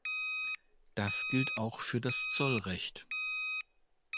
Das gilt auch für das Zollrecht.